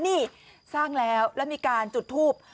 นี่สร้างแล้วแล้วมีการจุดทูบ